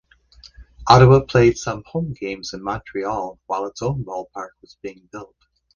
Ottawa played some home games in Montreal while its own ballpark was being built.